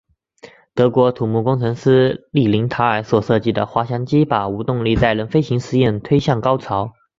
德国土木工程师利林塔尔所设计的滑翔机把无动力载人飞行试验推向高潮。